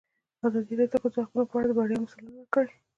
ازادي راډیو د د ښځو حقونه په اړه د بریاوو مثالونه ورکړي.